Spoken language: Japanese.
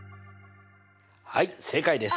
はい正解です。